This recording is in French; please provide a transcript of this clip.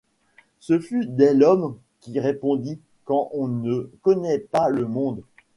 Ce fut Delhomme qui répondit: — Quand on ne connaît pas le monde!